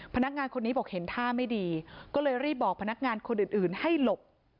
พนักงานคนนี้บอกเห็นท่าไม่ดีก็เลยรีบบอกพนักงานคนอื่นให้หลบ